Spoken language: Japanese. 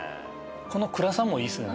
この暗さもいいですね。